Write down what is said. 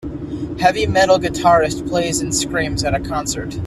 Heavy metal guitarist plays and screams at a concert.